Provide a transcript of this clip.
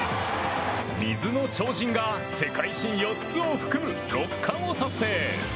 水の超人が世界新４つを含む、６冠を達成。